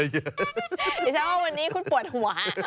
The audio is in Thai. ดิฉันว่าวันนี้คุณปวดหัว